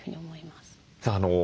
さあ